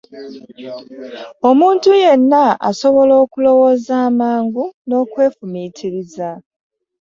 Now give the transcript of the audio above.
Omuntu yenna asobola okulowooza amangu n'okwefumiitiriza